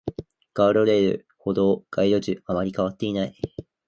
ガードレール、歩道、街路樹、あまり変わっていない